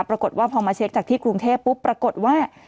ปรากฏว่าพอมาเช็คจากที่กรุงเทพปุ๊บปรากฏว่า